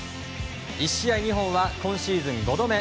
１試合２本は今シーズン５度目。